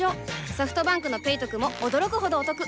ソフトバンクの「ペイトク」も驚くほどおトク